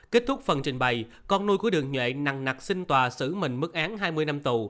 kết thúc phần trình bày con nuôi của đường nhuệ nặng xin tòa xử mình mức án hai mươi năm tù